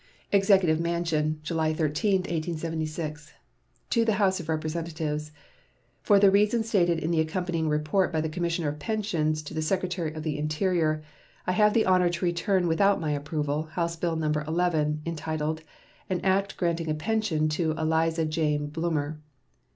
EXECUTIVE MANSION, July 13, 1876. To the House of Representatives: For the reasons stated in the accompanying report by the Commissioner of Pensions to the Secretary of the Interior, I have the honor to return without my approval House bill No. 11, entitled "An act granting a pension to Eliza Jane Blumer."